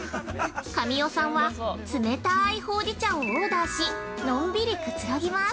神尾さんは冷たいほうじ茶をオーダーしのんびりくつろぎます。